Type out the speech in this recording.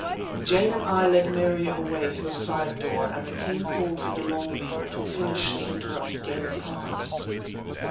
Jane and I led Mary away through a side door and the king called for de Longueville to finish the interrupted game of cards.